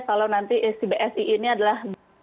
kalau nanti sbsi ini adalah